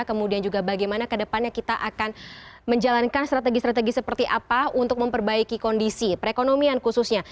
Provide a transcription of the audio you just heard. kemudian juga bagaimana kedepannya kita akan menjalankan strategi strategi seperti apa untuk memperbaiki kondisi perekonomian khususnya